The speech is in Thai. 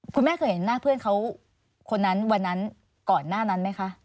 คุณแม่เคยเห็นหน้าเพื่อนเขาคนนั้นวันนั้นก่อนหน้านั้นไหมคะ